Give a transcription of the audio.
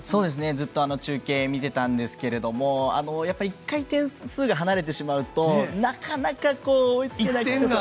ずっと中継を見ていたんですけれども一回、点数が離れてしまうとなかなか追いつけない。